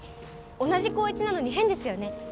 同じ高１なのに変ですよね